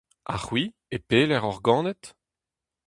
Ha c'hwi, e pelec'h oc'h ganet ?